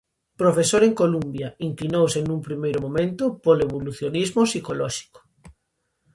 Profesor en Columbia, inclinouse nun primeiro momento polo evolucionismo psicolóxico.